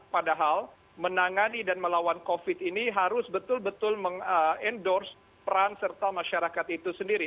padahal menangani dan melawan covid ini harus betul betul mengendorse peran serta masyarakat itu sendiri